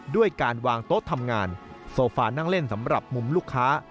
ด้วยการวางโต๊ะทำงานโซฟานั่งเล่นสำหรับมุมลูกค้า